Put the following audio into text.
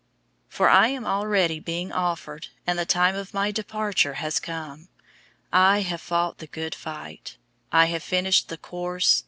004:006 For I am already being offered, and the time of my departure has come. 004:007 I have fought the good fight. I have finished the course.